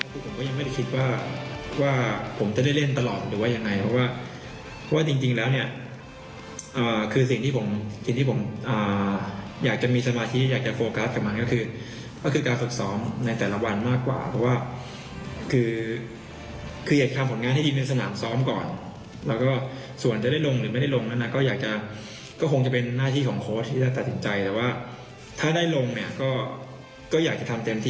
ผมก็ยังไม่ได้คิดว่าว่าผมจะได้เล่นตลอดหรือว่ายังไงเพราะว่าเพราะว่าจริงจริงแล้วเนี่ยคือสิ่งที่ผมอยากจะมีสมาธิอยากจะโฟกัสกับมันก็คือการศึกษองในแต่ละวันมากกว่าเพราะว่าคือคืออยากทำผลงานให้ดีในสนามซ้อมก่อนแล้วก็ส่วนจะได้ลงหรือไม่ได้ลงนั้นนะก็อยากจะก็คงจะเป็นหน้าที่ของโค้ช